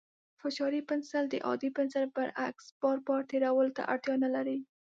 فشاري پنسل د عادي پنسل برعکس، بار بار تېرولو ته اړتیا نه لري.